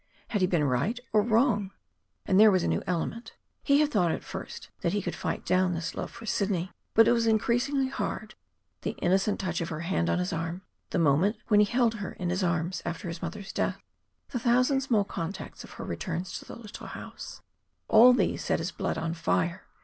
Had he been right or wrong? And there was a new element. He had thought, at first, that he could fight down this love for Sidney. But it was increasingly hard. The innocent touch of her hand on his arm, the moment when he had held her in his arms after her mother's death, the thousand small contacts of her returns to the little house all these set his blood on fire.